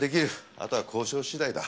あとは交渉次第だ。